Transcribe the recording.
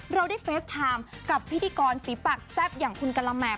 เราได้เฟสไทม์กับพิธีกรฝีปากแซ่บอย่างคุณกะละแมม